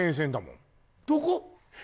どこ？